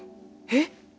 えっ！？